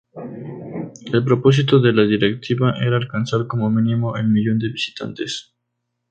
El propósito de la directiva era alcanzar como mínimo el millón de visitantes.